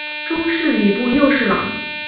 终仕礼部右侍郎。